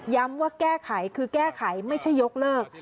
ว่าแก้ไขคือแก้ไขไม่ใช่ยกเลิก